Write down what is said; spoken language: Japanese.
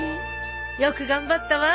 よく頑張ったわ。